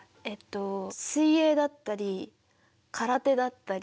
水泳だったり空手だったり。